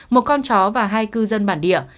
một con chó và hai cư dân bản địa